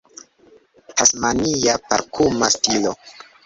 Tasmania parkuma stilo